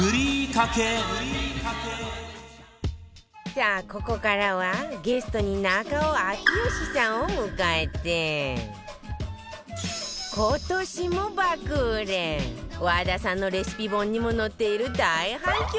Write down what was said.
さあここからはゲストに中尾明慶さんを迎えて今年も爆売れ和田さんのレシピ本にも載っている大反響